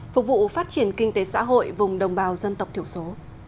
phục vụ phát triển kinh tế xã hội vùng đồng bào dân tộc thiểu số